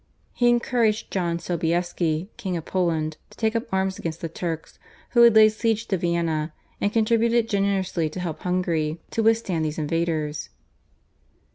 He encouraged John Sobieski, King of Poland, to take up arms against the Turks who had laid siege to Vienna, and contributed generously to help Hungary to withstand these invaders.